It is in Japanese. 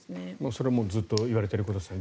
それもずっと言われているところですね。